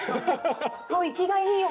もう生きがいいよ。